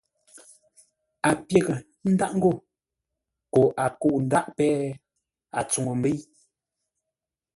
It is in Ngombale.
A pyə́ghʼə ńdáʼ ńgó koo a kə̂u ńdáʼ péh, a tsuŋu ḿbə́i.